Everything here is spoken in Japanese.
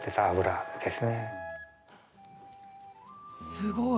すごい。